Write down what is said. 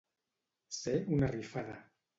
Ser una rifada.